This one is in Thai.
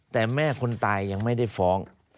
แต่แม่คนตายยังไม่ได้ฟ้อง